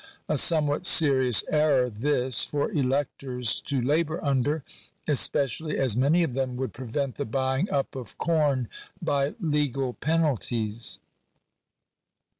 A somewhat serious error this, for electors to labour under ; especially as many of them would prevent the buying up of corn by legal penalties